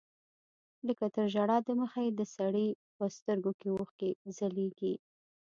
لکه تر ژړا د مخه چې د سړي په سترګو کښې اوښکې ځلېږي.